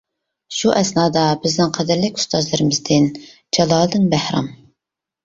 شۇ ئەسنادا بىزنىڭ قەدىرلىك ئۇستازلىرىمىزدىن جالالدىن بەھرام.